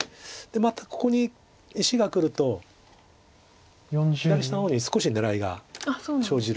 またここに石がくると左下の方に少し狙いが生じるんです。